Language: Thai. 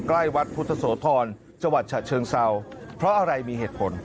ใกล้วัดพุทธโสธรจังหวัดฉะเชิงเซาเพราะอะไรมีเหตุผล